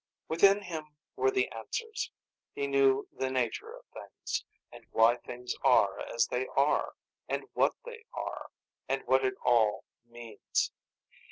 Within him were the Answers. He knew the nature of things, and why things are as they are, and what they are, and what it all means.